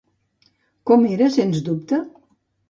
Com era, sens dubte?